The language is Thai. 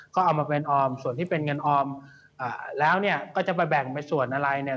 ก็เอามาเป็นออมส่วนที่เป็นเงินออมแล้วก็จะไปแบ่งไปส่วนอะไร